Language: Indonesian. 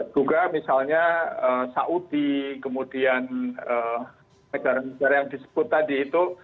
juga misalnya saudi kemudian negara negara yang disebut tadi itu